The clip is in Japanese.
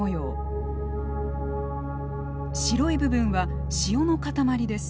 白い部分は塩の塊です。